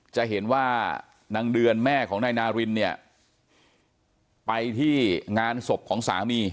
จะเห็นว่านางเดือนแม่ของนายนารินเนี่ยไปที่งานศพของสามี